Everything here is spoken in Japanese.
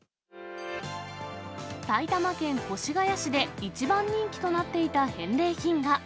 埼玉県越谷市で一番人気となっていた返礼品が。